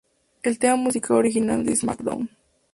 El tema musical original de "SmackDown!